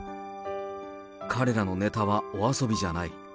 彼らのネタはお遊びじゃない。